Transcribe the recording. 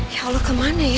ya allah kemana ya